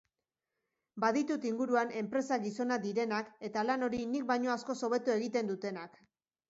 Baditut inguruan enpresa-gizonak direnak eta lan hori nik baino askoz hobeto egiten dutenak.